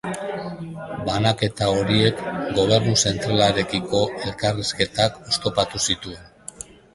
Banaketa horiek gobernu zentralarekiko elkarrizketak oztopatu zituen.